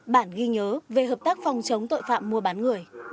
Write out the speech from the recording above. bản ghi nhớ về hợp tác phòng chống tội phạm mua bán người